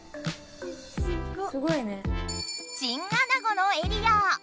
チンアナゴのエリア！